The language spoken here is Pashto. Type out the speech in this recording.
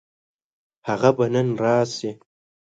هغه به نن راشي.